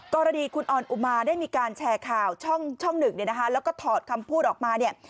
กรณีคุณออนอุมาได้มีการแชร์ข่าวช่องหนึ่งเนี่ยนะคะแล้วก็ถอดคำพูดออกมาเนี่ย